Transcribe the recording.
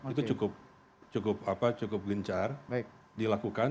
itu cukup cukup apa cukup gencar dilakukan